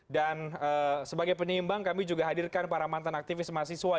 dan sebagai penyimbang kami juga hadirkan para mantan aktivis mahasiswa